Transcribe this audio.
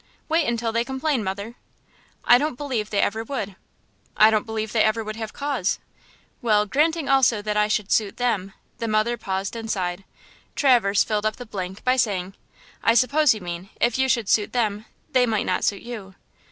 "Wait until they complain, mother!" "I don't believe they ever would!" "I don't believe they ever would have cause!" "Well, granting also that I should suit them"–the mother paused and sighed. Traverse filled up the blank by saying: "I suppose you mean–if you should suit them they might not suit you!"